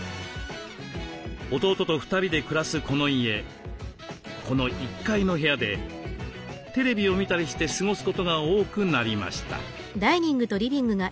弟と２人で暮らすこの家この１階の部屋でテレビを見たりして過ごすことが多くなりました。